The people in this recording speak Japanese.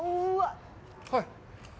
はい。